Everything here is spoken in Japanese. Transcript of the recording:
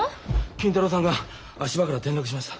金太郎さんが足場から転落しました。